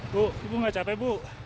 bu ibu gak capek bu